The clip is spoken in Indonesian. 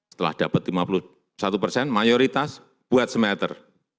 setelah dapat lima puluh satu persen mayoritas buat smelter